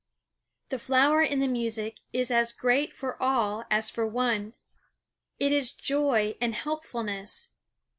The flower in the music is as great for all as for one. It is joy and helpfulness.